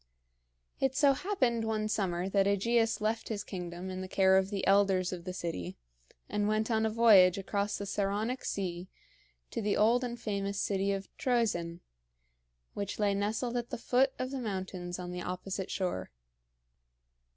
It so happened one summer that AEgeus left his kingdom in the care of the elders of the city and went on a voyage across the Saronic Sea to the old and famous city of Troezen, which lay nestled at the foot of the mountains on the opposite shore.